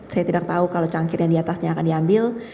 saya tidak tahu kalau cangkir yang diatasnya akan diambil